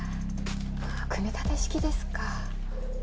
組み立て式ですか。